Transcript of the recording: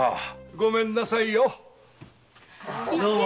ごめんなさいよ。